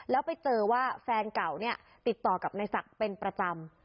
แล้วไปเจอว่าแฟนเก่าเนี่ยติดต่อกับนายศักดิ์เป็นประจำ